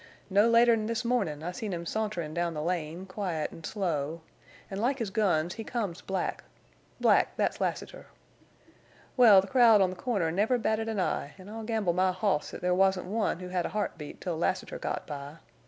No later 'n this mornin' I seen him saunterin' down the lane, quiet an' slow. An' like his guns he comes black—black, thet's Lassiter. Wal, the crowd on the corner never batted an eye, en' I'll gamble my hoss thet there wasn't one who hed a heartbeat till Lassiter got by.